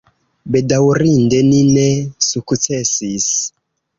Bedaŭrinde ni ne sukcesis.